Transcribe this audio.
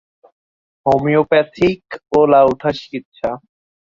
‘’homeopathic ওলাওঠা চিকিৎসা’’